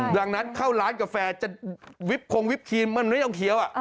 ดังนั้นเข้าร้านกาแฟวิบคงวิบพีนไม่ต้องเขียว